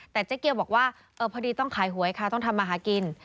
แต่เจ๊เกียวบอกว่าพอดีต้องขายหวยค่ะต้องทำมาหากิน